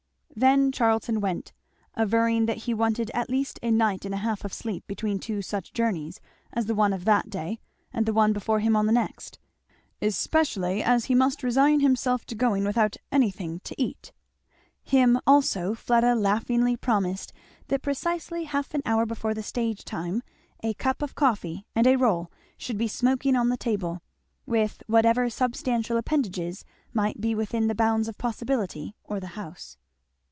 Then Charlton went, averring that he wanted at least a night and a half of sleep between two such journeys as the one of that day and the one before him on the next, especially as he must resign himself to going without anything to eat. Him also Fleda laughingly promised that precisely half an hour before the stage time a cup of coffee and a roll should be smoking on the table, with whatever substantial appendages might be within the bounds of possibility, or the house.